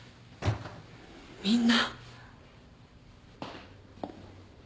みんな。